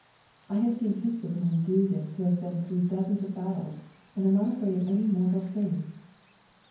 I have seen heaps of men do this who have been through dozens of battles and are not afraid of any mortal thing.